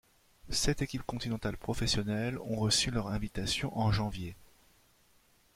Sept équipes continentales professionnelles ont reçu leur invitation en janvier.